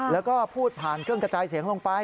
แล้วก็พูดผ่านเครื่องกระจายเสียงลงไป